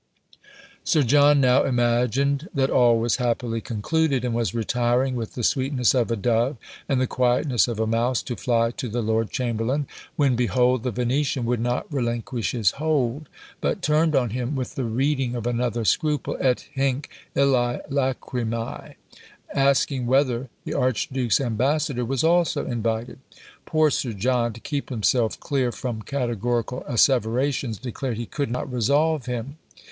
Sir John now imagined that all was happily concluded, and was retiring with the sweetness of a dove, and the quietness of a mouse, to fly to the lord chamberlain, when behold the Venetian would not relinquish his hold, but turned on him "with the reading of another scruple, et hinc illÃḊ lachrymÃḊ! asking whether the archduke's ambassador was also invited?" Poor Sir John, to keep himself clear "from categorical asseverations," declared "he could not resolve him."